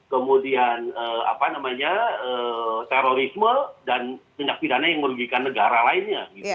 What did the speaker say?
kemudian terorisme dan tindak pidana yang merugikan negara lainnya